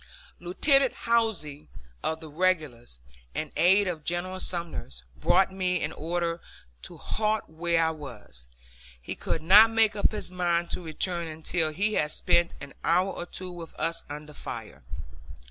Lieutenant Howze, of the regulars, an aide of General Sumner's, brought me an order to halt where I was; he could not make up his mind to return until he had spent an hour or two with us under fire.